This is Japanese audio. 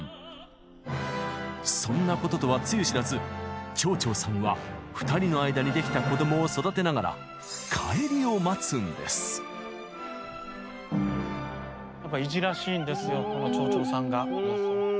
そんなこととはつゆ知らず蝶々さんは２人の間にできた子供を育てながら彼女はですね